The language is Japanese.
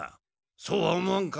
そうは思わんか？